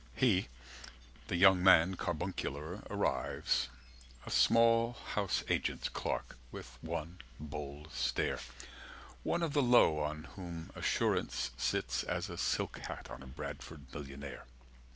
230 He, the young man carbuncular, arrives, A small house agent's clerk, with one bold stare, One of the low on whom assurance sits As a silk hat on a Bradford millionaire.